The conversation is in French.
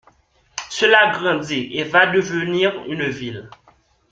Cela grandit et va devenir une ville.